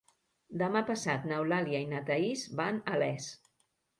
Demà passat n'Eulàlia i na Thaís van a Les.